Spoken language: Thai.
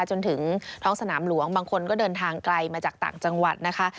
จนถึงท้องสนามหลวงบางคนก็เดินทางไกลมาจากต่างจังหวัดนะคะ